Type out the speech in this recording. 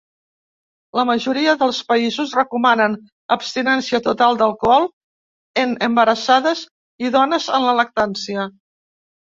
La majoria dels països recomanen abstinència total d'alcohol en embarassades i dones en la lactància.